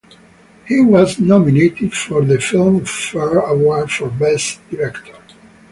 He was nominated for the Filmfare Award for Best Director.